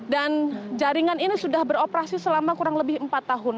dan jaringan ini sudah beroperasi selama kurang lebih empat tahun